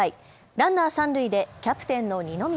ランナー三塁でキャプテンの二宮。